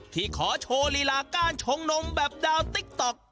ขอโชว์ลีลาการชงนมแบบดาวติ๊กต๊อก